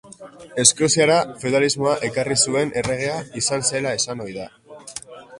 Eskoziara feudalismoa ekarri zuen erregea izan zela esan ohi da.